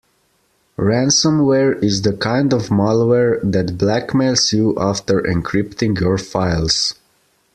Ransomware is the kind of malware that blackmails you after encrypting your files.